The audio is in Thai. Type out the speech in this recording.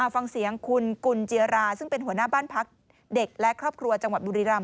ฟังเสียงคุณกุญเจียราซึ่งเป็นหัวหน้าบ้านพักเด็กและครอบครัวจังหวัดบุรีรำ